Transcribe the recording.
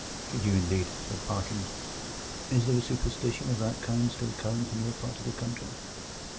"Should you, indeed!" said Parkins. "Is there a superstition of that kind still current in your part of the country?"